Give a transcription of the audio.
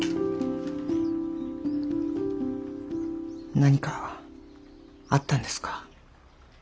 何かあったんですか？